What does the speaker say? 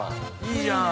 いいじゃん！